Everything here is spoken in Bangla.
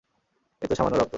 এ তো সামান্য রক্ত।